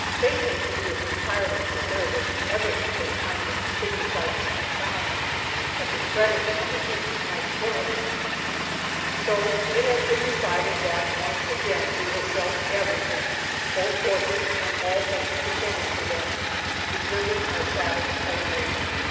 Faye thinks that he is entirely too nervous ever to take kindly to city sights and sounds that the fretting and the heat might kill him. So it has been decided that once again we will sell everything both horses and all things pertaining to them, reserving our saddles only.